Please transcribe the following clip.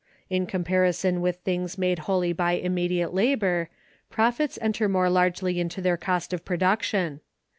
In comparison with things made wholly by immediate labor, profits enter more largely into their cost of production.